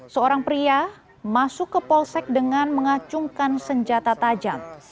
seorang pria masuk ke polsek dengan mengacungkan senjata tajam